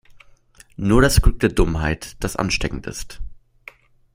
Nur das Glück der Dummheit, das ansteckend ist.